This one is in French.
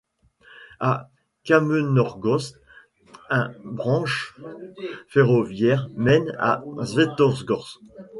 À Kamennogorsk, un branche ferroviaire mène à Svetogorsk.